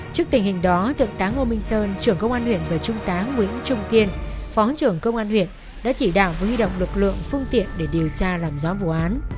trước tình hình đó thượng tá ngô minh sơn trưởng công an huyện và trung tá nguyễn trung kiên phó trưởng công an huyện đã chỉ đạo với huy động lực lượng phương tiện để điều tra làm rõ vụ án